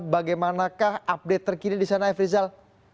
bagaimanakah update terkininya di sana efri zal